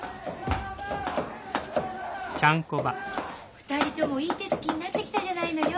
・２人ともいい手つきになってきたじゃないのよ。